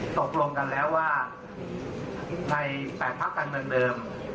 ตกลงกันแล้วว่าในแปดพักทางเดิมเดิม